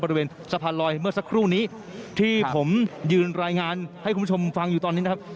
บริเวณสะพานลอยเมื่อสักครู่นี้ที่ผมยืนรายงานให้คุณผู้ชมฟังอยู่ตอนนี้นะครับ